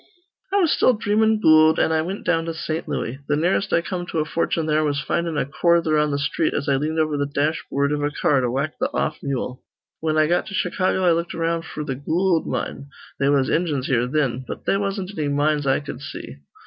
"I was still dreamin' goold, an' I wint down to Saint Looey. Th' nearest I come to a fortune there was findin' a quarther on th' sthreet as I leaned over th' dashboord iv a car to whack th' off mule. Whin I got to Chicago, I looked around f'r the goold mine. They was Injuns here thin. But they wasn't anny mines I cud see.